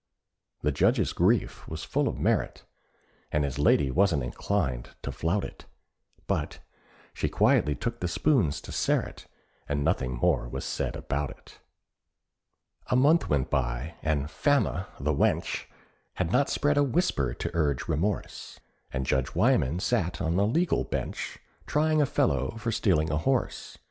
The Judge's grief was full of merit, And his lady wasn't inclined to flout it; But she quietly took the spoons to Sterret, And nothing more was said about it. A month went by, and Fama, the wench! Had not spread a whisper to urge remorse, And Judge Wyman sat on the legal bench, Trying a fellow for stealing a horse.